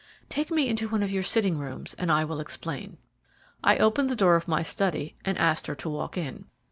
"Take me into one of your sitting rooms, and I will explain." I opened the door of my study and asked her to walk in.